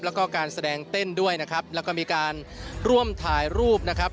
แล้วก็การแสดงเต้นด้วยนะครับแล้วก็มีการร่วมถ่ายรูปนะครับ